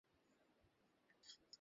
এ যে সর্বনেশে কথা!